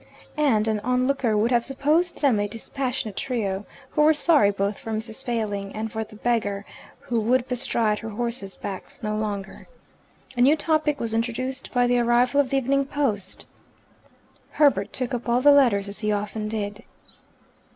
And an onlooker would have supposed them a dispassionate trio, who were sorry both for Mrs. Failing and for the beggar who would bestride her horses' backs no longer. A new topic was introduced by the arrival of the evening post. Herbert took up all the letters, as he often did.